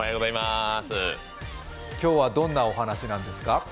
今日はどんなお話なんですか。